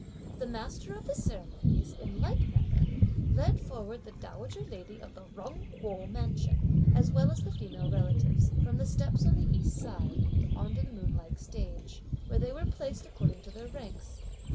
(The master of the ceremonies), in like manner led forward the dowager lady of the Jung Kuo mansion, as well as the female relatives, from the steps on the east side, on to the moon like stage; where they were placed according to their ranks.